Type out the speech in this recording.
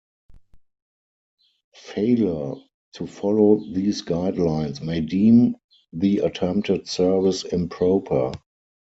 Failure to follow these guidelines may deem the attempted service improper.